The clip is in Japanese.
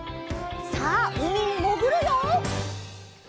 さあうみにもぐるよ！